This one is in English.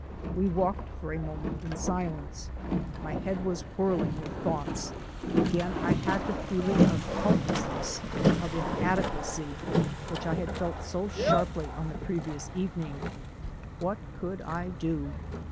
We walked for a moment in silence. My head was whirling with thoughts: again I had that feeling of helplessness, of inadequacy, which I had felt so sharply on the previous evening. What could I do?